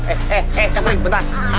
eh eh eh kak fli bentar